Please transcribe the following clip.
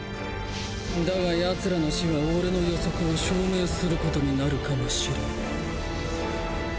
だがヤツらの死は俺の予測を証明することになるかもしれん。